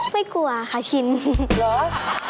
กลัวค่ะชินเหรอ